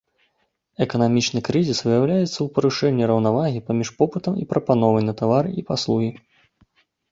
Эканамічны крызіс выяўляецца ў парушэнні раўнавагі паміж попытам і прапановай на тавары і паслугі.